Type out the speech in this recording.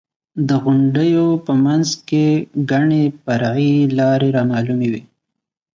د غونډیو په منځ کې ګڼې فرعي لارې رامعلومې وې.